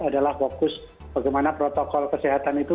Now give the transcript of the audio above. adalah fokus bagaimana protokol kesehatan itu